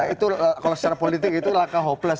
itu kalau secara politik itu langkah hopeless